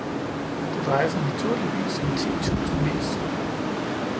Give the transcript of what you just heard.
Det drejer sig naturligvis om titusindvis.